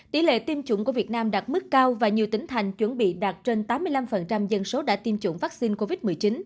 tỷ lệ tiêm chủng của việt nam đạt mức cao và nhiều tỉnh thành chuẩn bị đạt trên tám mươi năm dân số đã tiêm chủng vaccine covid một mươi chín